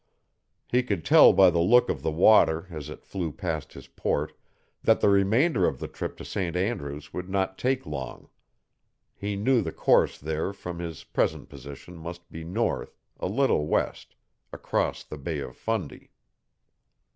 He could tell by the look of the water as it flew past his port that the remainder of the trip to St. Andrews would not take long. He knew the course there from his present position must be north, a little west, across the Bay of Fundy.